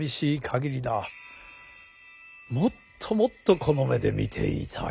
もっともっとこの目で見ていたい。